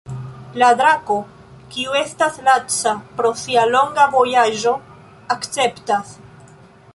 La drako, kiu estas laca pro sia longa vojaĝo, akceptas.